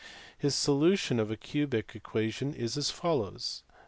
His solution of a cubic equation is as follows.